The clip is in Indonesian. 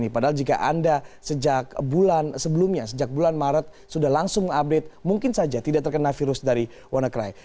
padahal jika anda sejak bulan sebelumnya sejak bulan maret sudah langsung update mungkin saja tidak terkena virus dari wannacry